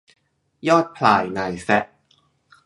ยอดพลายนายแซะ